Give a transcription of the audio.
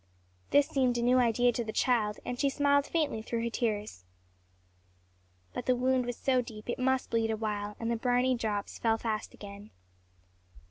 This seemed a new idea to the child, and she smiled faintly through her tears. But the wound was so deep it must bleed awhile, and the briny drops fell fast again.